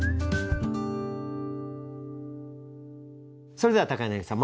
それでは柳さん